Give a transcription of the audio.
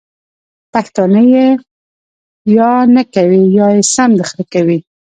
پښتانه ېې یا نکوي یا يې سم د خره کوي!